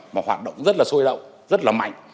mà hoạt động rất là sôi động rất là mạnh